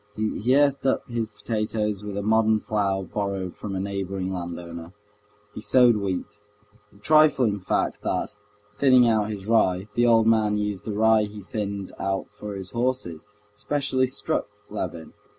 He earthed up his potatoes with a modern plough borrowed from a neighboring landowner. He sowed wheat. The trifling fact that, thinning out his rye, the old man used the rye he thinned out for his horses, specially struck Levin.